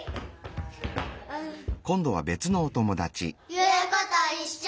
いうこといっしょ！